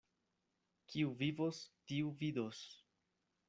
Kiu vivos, tiu vidos.